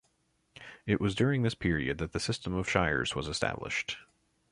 It was during this period that the system of shires was established.